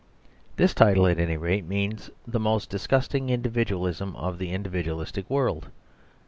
This title, at any rate, means the most disgusting individualism of this individualistic world.